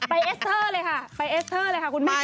ไปเอสซอกทย์เลยค่ะ